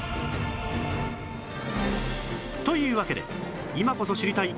というわけで今こそ知りたい！